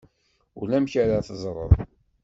Ulamek ara teẓreḍ.